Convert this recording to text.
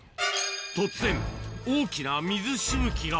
突然、大きな水しぶきが。